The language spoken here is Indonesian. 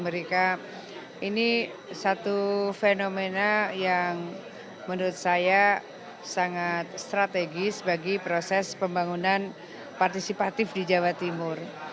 mereka ini satu fenomena yang menurut saya sangat strategis bagi proses pembangunan partisipatif di jawa timur